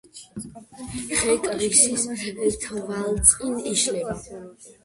ხე კრისის თვალწინ იშლება.